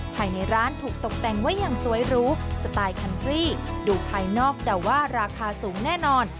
ภายในร้านถูกตกแต่งไว้อย่างสวยรู้สไตล์คันฟรีดูภายนอกแต่ว่าราคาสูงแน่นอน